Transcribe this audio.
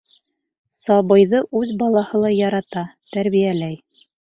Сабыйҙы үҙ балаһылай ярата, тәрбиәләй.